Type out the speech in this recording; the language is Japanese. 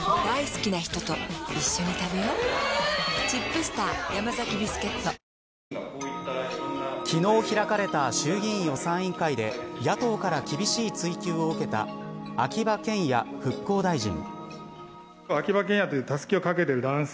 去年、行われた総選挙で昨日開かれた衆議院予算委員会で野党から厳しい追及を受けた秋葉賢也復興大臣。